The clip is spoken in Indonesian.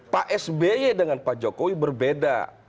pak sby dengan pak jokowi berbeda